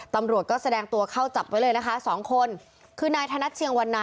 ตำรวจก็แสดงตัวเข้าจับไว้เลยนะคะสองคนคือนายธนัดเชียงวันนา